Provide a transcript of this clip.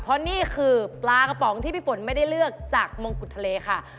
เพราะนี่คือปลากระป๋องที่พี่ฝนไม่ได้เลือกจากมงกุฎทะเลค่ะ